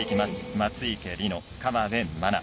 松生理乃、河辺愛菜。